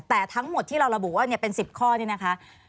แต่ทั้งหมดที่เราระบุว่าเป็น๑๐ข้อนี่นะคะ